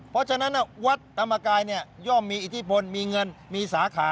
เพราะฉะนั้นวัดธรรมกายย่อมมีอิทธิพลมีเงินมีสาขา